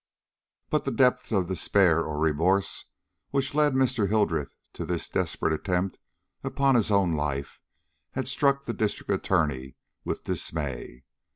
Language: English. But the depth of despair or remorse which had led Mr. Hildreth to this desperate attempt upon his own life had struck the District Attorney with dismay.